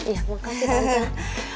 iya makasih tante